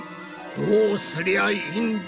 どうすりゃいいんだ？